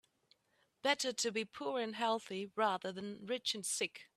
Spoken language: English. Better to be poor and healthy rather than rich and sick.